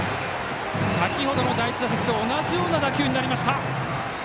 先ほどの第１打席と同じような打球になりました。